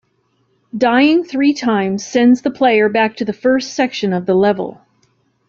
Dying three times sends the player back to the first section of the level.